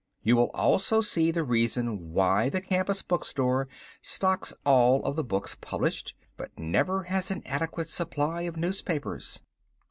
You will also see the reason why the campus bookstore stocks all of the books published, but never has an adequate supply of newspapers.